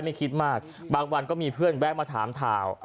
ไม่คิดมากบางวันก็มีเพื่อนแวะมาถามข่าว